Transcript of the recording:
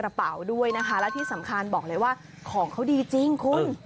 เป๋าด้วยนะคะแล้วที่สำคัญบอกเลยว่าของเขาดีจริงคุณ